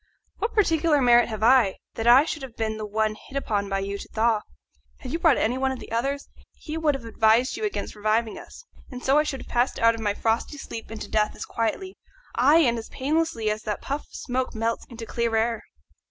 What particular merit have I that I should have been the one hit upon by you to thaw? Had you brought any one of the others to, he would have advised you against reviving us, and so I should have passed out of my frosty sleep into death as quietly, ay, and as painlessly, as that puff of smoke melts into clear air."